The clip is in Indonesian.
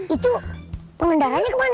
itu pengendaranya ke mana